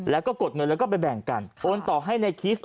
แล้วก็กดเงินแล้วก็ไปแบ่งกันโอนต่อให้ในคิสต